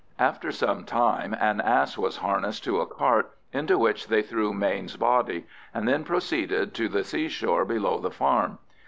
After some time an ass was harnessed to a cart, into which they threw Mayne's body, and then proceeded to the seashore below the farm.